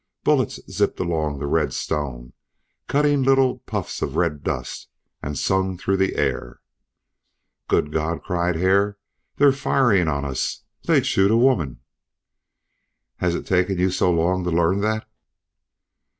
Bullets zipped along the red stone, cutting little puffs of red dust, and sung through the air. "Good God!" cried Hare. "They're firing on us! They'd shoot a woman!" "Has it taken you so long to learn that?"